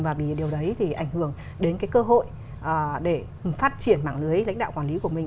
và vì điều đấy thì ảnh hưởng đến cái cơ hội để phát triển mạng lưới lãnh đạo quản lý của mình